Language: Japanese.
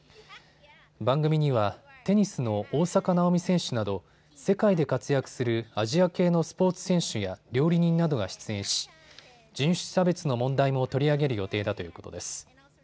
番組にはテニスの大坂なおみ選手など世界で活躍するアジア系のスポーツ選手や料理人などが出演し、人種差別の問題も取り上げる予定だということです。